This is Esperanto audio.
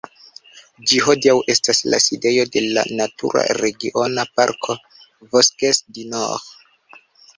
Ĝi hodiaŭ estas la sidejo de la natura regiona parko "Vosges du Nord".